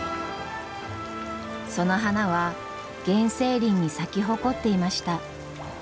その花は原生林に咲き誇っていました。